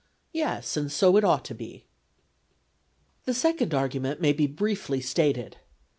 ' Yes, and so it ought to be.' The second argument may be briefly stated.